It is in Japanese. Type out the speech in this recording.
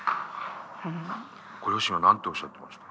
ご両親は何とおっしゃってました？